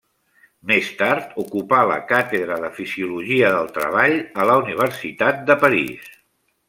Més tard ocupà la càtedra de fisiologia del treball a la universitat de París.